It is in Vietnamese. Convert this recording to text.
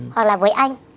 hoặc là với anh